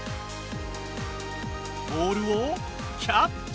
ボールをキャッチ！